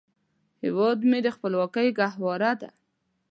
هیواد مې د خپلواکۍ ګهواره ده